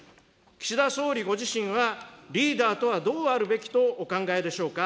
岸田総理ご自身は、リーダーとはどうあるべきとお考えでしょうか。